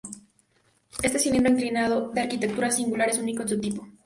Este cilindro, inclinado de arquitectura singular, es único en su tipo.